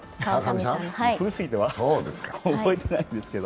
古すぎて覚えてないですけど。